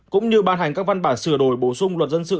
cũng như ban hành các văn bản sửa đổi bổ sung luật dân sự